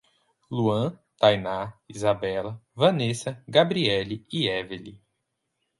Luan, Tainá, Isabella, Vanesa, Gabriele e Evely